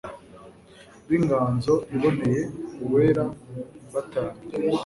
b'inganzo iboneye uwera batarame